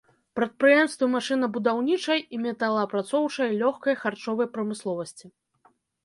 Прадпрыемствы машынабудаўнічай і металаапрацоўчай, лёгкай, харчовай прамысловасці.